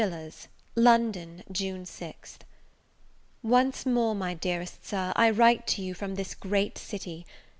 VILLARS London, June 6. ONCE more, my dearest Sir, I write to you from this great city.